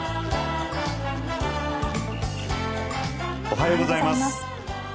おはようございます。